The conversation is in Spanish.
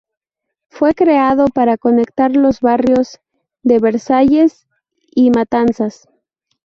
Fue creado para conectar los barrios de Versalles y Matanzas.